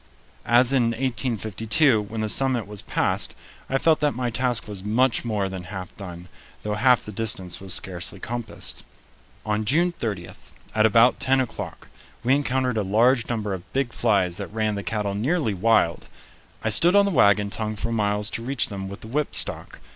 As in 1852, when the summit was passed I felt that my task was much more than half done, though half the distance was scarcely compassed. On June 30, at about ten o'clock, we encountered a large number of big flies that ran the cattle nearly wild. I stood on the wagon tongue for miles to reach them with the whipstock.